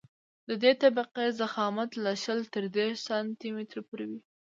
د دې طبقې ضخامت له شل تر دېرش سانتي مترو پورې وي